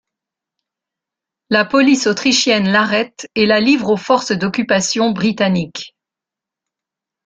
La police autrichienne l'arrête et la livre aux forces d'occupation britanniques.